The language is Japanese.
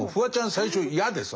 最初嫌でさ。